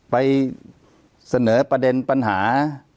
ไปเสนอประเด็นปัญหา